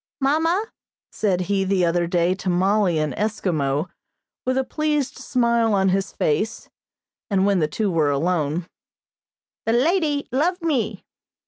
"Mamma," said he the other day to Mollie in Eskimo, with a pleased smile on his face, and when the two were alone, "the ladie loves me."